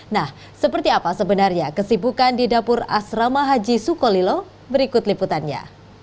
nah seperti apa sebenarnya kesibukan di dapur asrama haji sukolilo berikut liputannya